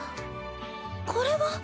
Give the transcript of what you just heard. これは！